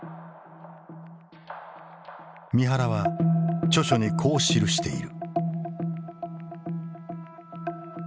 三原は著書にこう記している。